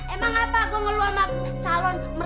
emang apa gue ngeluluk sama calon mertua